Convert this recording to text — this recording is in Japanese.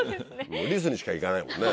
リスにしか行かないもんね。